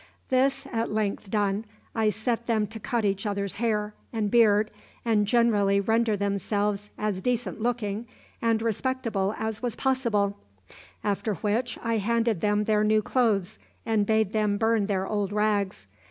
This at length done, I set them to cut each other's hair and beard and generally render themselves as decent looking and respectable as was possible; after which I handed them their new clothes and bade them burn their old rags.